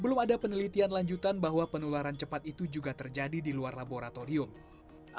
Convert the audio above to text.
belum ada penelitian lanjutan bahwa penelitian virus ini akan menyebabkan kematian virus